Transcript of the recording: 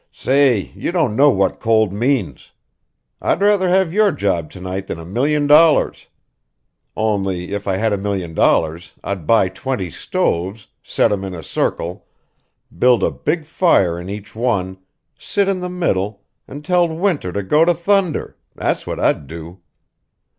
"Say, you don't know what cold means. I'd rather have your job to night than a million dollars. Only if I had a million dollars I'd buy twenty stoves, set 'em in a circle, build a big fire in each one, sit in the middle, and tell winter to go to thunder that's what I'd do.